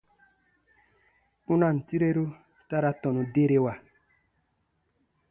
Kpunaan tireru ta ra tɔnu derewa.